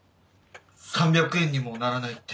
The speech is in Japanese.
３００円にもならないって。